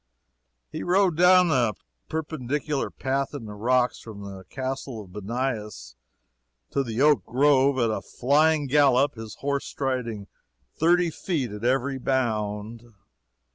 He rode down the perpendicular path in the rocks, from the Castle of Banias to the oak grove, at a flying gallop, his horse striding "thirty feet" at every bound.